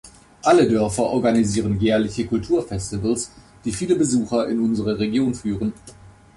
Alle Dörfer organisieren jährliche Kulturfestivals, die viele Besucher in unsere Region führen.